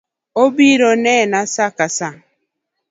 Obiro nena saa ka sa